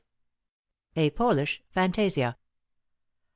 * *A POLISH FANTASIA.